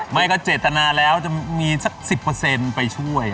ไม่ก็เจตนาแล้วจะมีสัก๑๐ไปช่วย